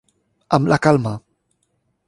Amb la calma.